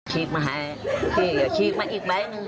ชีกมาให้ชีกมาอีกแบบ